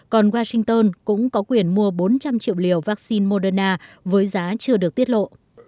còn washington cũng có quyền mua bốn trăm linh triệu liều vaccine moderna với giá chưa được tiết lộ